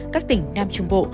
các tỉnh nam trung bộ